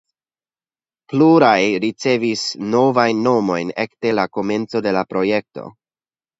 Pluraj ricevis novajn nomojn ekde la komenco de la projekto.